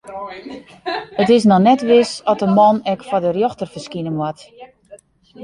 It is noch net wis oft de man ek foar de rjochter ferskine moat.